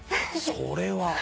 それは。